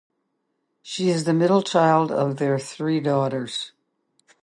She is the middle child of their three daughters.